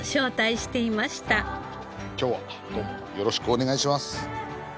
今日はどうもよろしくお願いします。